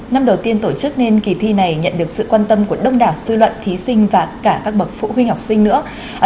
năm đầu tiên tổ chức nên kỳ thi này nhận được sự quan tâm của đông đảo sư luận thí sinh và cả các bậc phụ huynh học sinh nữa